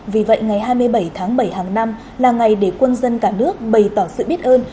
vì vậy ngày hai mươi bảy tháng bảy hàng năm là ngày để quân dân cả nước bày tỏ sự biết ơn